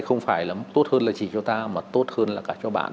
không phải là tốt hơn là chỉ cho ta mà tốt hơn là cả cho bạn